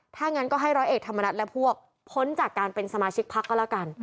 ถ้างั้นก็ให้ร้อยเอกธรรมนัฐและพวกพ้นจากการเป็นสมาชิกพักก็แล้วกัน